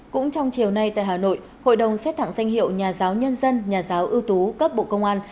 cũng trong chiều nay tại hà nội hội đồng xét tặng danh hiệu nhà giáo nhân dân nhà giáo ưu tú cấp bộ công an